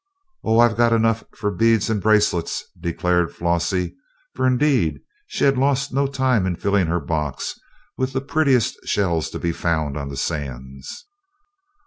"Oh, I've got enough for beads and bracelets," declared Flossie, for, indeed, she had lost no time in filling her box with the prettiest shells to be found on the sands.